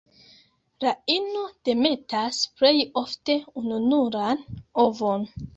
La ino demetas plej ofte ununuran ovon.